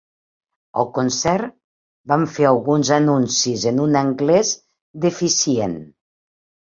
Al concert, van fer alguns anuncis en un anglès deficient.